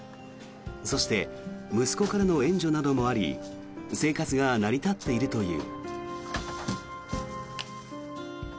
そして息子からの援助などもあり生活が成り立っているという。